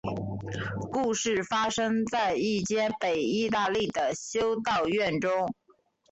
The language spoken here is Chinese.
故事发生在一间北意大利的修道院中。